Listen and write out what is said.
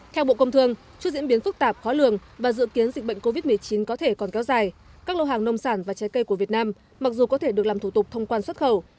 theo bộ công thương trước diễn biến phức tạp khó lường và dự kiến dịch bệnh covid một mươi chín có thể còn kéo dài các lô hàng nông sản và trái cây của việt nam mặc dù có thể được làm thủ tục thông quan xuất khẩu